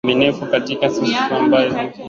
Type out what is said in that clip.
na ambayo hayafikiki lugha yao asili na